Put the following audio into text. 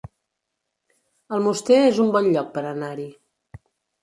Almoster es un bon lloc per anar-hi